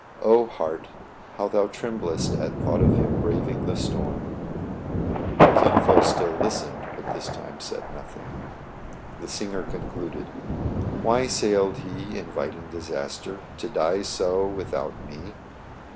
O heart ! how thou tremblest At thought of him braving The storm !" Kin Fo still listened, but this time said nothing. The singer concluded ;—" Why sailed he inviting Disaster? To die so without me